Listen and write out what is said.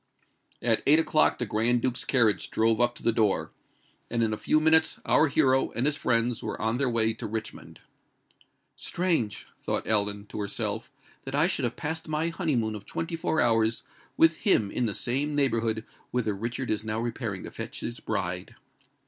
At eight o'clock the Grand Duke's carriage drove up to the door; and in a few minutes our hero and his friends were on their way to Richmond. "Strange!" thought Ellen to herself; "that I should have passed my honeymoon of twenty four hours with him in the same neighbourhood whither Richard is now repairing to fetch his bride."